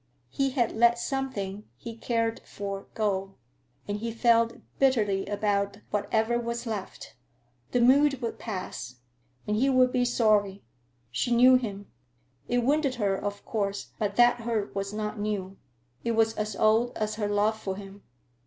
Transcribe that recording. He had let something he cared for go, and he felt bitterly about whatever was left. The mood would pass, and he would be sorry. She knew him. It wounded her, of course, but that hurt was not new. It was as old as her love for him.